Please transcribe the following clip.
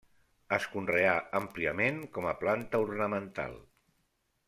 Es conrea àmpliament com a planta ornamental.